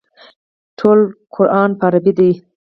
ټول قران په عربي دی.